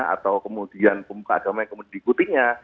atau kemudian pemuka agama yang kemudian diikutinya